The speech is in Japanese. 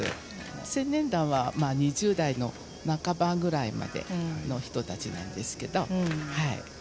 青年団は２０代の半ばぐらいまでの人たちなんですけど。